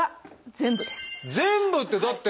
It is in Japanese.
全部ってだって！